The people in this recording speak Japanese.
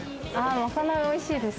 まかないおいしいです。